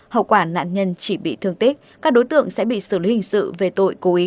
hậu quả nạn nhân chỉ bị thương tích các đối tượng sẽ bị xử lý hình sự về tội cố ý